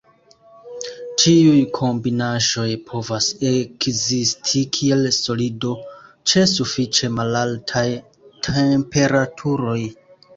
Ĉiuj kombinaĵoj povas ekzisti kiel solido, ĉe sufiĉe malaltaj temperaturoj.